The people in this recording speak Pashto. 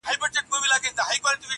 نن دې تصوير زما پر ژړا باندې راوښويدی_